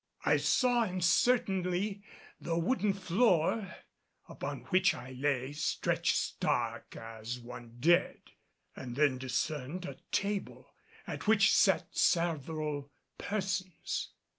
I saw uncertainly the wooden floor upon which I lay stretched stark as one dead, and then discerned a table at which sat several persons.